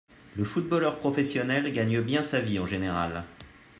Le footballeur professionnel gagne bien sa vie en général